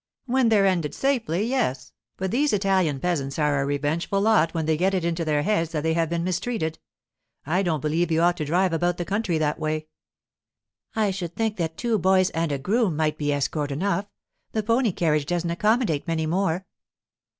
'When they're ended safely, yes. But these Italian peasants are a revengeful lot when they get it into their heads that they have been mistreated. I don't believe you ought to drive about the country that way.' 'I should think that two boys and a groom might be escort enough—the pony carriage doesn't accommodate many more.